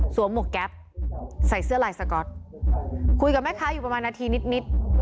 หมวกแก๊ปใส่เสื้อลายสก๊อตคุยกับแม่ค้าอยู่ประมาณนาทีนิดนิด